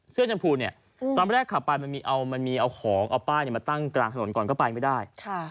ชมพูเนี่ยตอนแรกขับไปมันมีเอาของเอาป้ายมาตั้งกลางถนนก่อนก็ไปไม่ได้